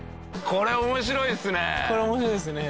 これ面白いですね。